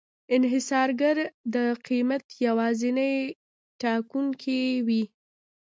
انحصارګر د قیمت یوازینی ټاکونکی وي.